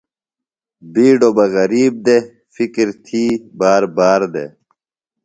بِیڈوۡ بہ غریب دےۡ، فِکر تھی باربار دےۡ